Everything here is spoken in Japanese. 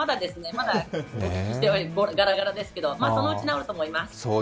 まだガラガラですけどそのうち治ると思います。